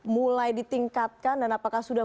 mulai ditingkatkan dan apakah sudah